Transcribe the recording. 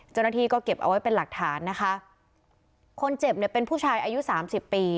เจ้าหน้าที่ก็เก็บเอาไว้เป็นหลักฐานนะคะคนเจ็บเนี่ยเป็นผู้ชายอายุสามสิบปี